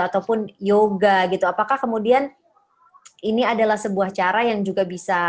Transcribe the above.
ataupun yoga gitu apakah kemudian ini adalah sebuah cara yang juga bisa